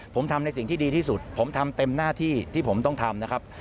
ผมทำในสิ่งที่ดีที่สุดผมทำเต็มหน้าที่ที่ผมต้องทำนะครับ